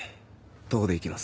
徒歩で行きます。